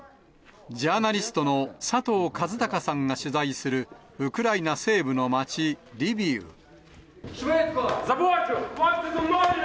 ジャーナリストの佐藤和孝さんが取材するウクライナ西部の町、リビウ。